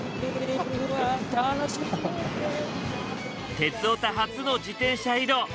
「鉄オタ」初の自転車移動！